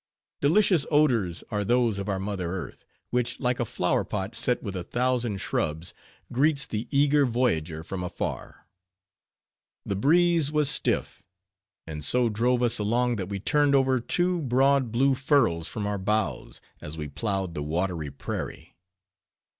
Delicious odors are those of our mother Earth; which like a flower pot set with a thousand shrubs, greets the eager voyager from afar. The breeze was stiff, and so drove us along that we turned over two broad, blue furrows from our bows, as we plowed the watery prairie.